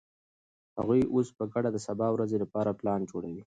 هغوی اوس په ګډه د سبا ورځې لپاره پلان جوړوي.